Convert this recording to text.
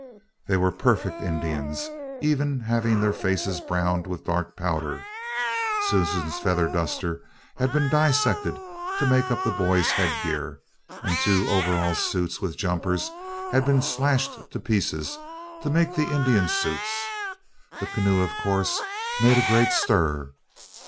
They were perfect Indians, even having their faces browned with dark powder. Susan's feather duster had been dissected to make up the boys' headgear, and two overall suits, with jumpers, had been slashed to pieces to make the Indian suits. The canoe, of course, made a great stir.